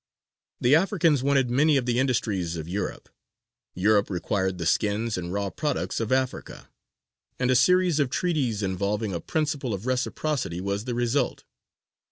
The Africans wanted many of the industries of Europe; Europe required the skins and raw products of Africa: and a series of treaties involving a principle of reciprocity was the result.